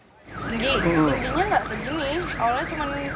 tingginya tidak segini